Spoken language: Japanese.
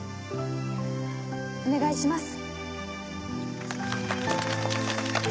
お願いします。